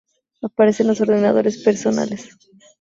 Aparecen los ordenadores personales.